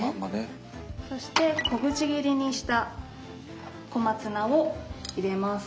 そして小口切りにした小松菜を入れます。